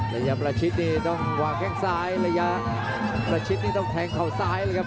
ระยะประชิดนี่ต้องวางแข้งซ้ายระยะประชิดนี่ต้องแทงเขาซ้ายเลยครับ